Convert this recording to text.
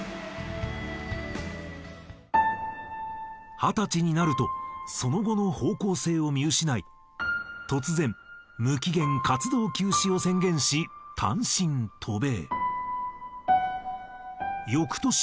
二十歳になるとその後の方向性を見失い突然無期限活動休止を宣言し単身渡米。